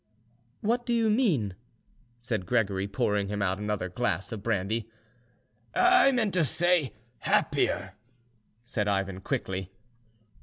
"What do you mean?" said Gregory, pouring him out another glass of brandy. "I meant to say happier," said Ivan quickly.